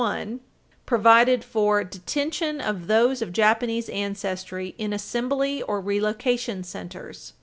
982, provided for detention of those of Japanese ancestry in assembly or relocation centers.